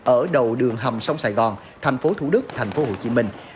ở đầu đường hầm sông sài gòn thành phố thủ đức thành phố hồ chí minh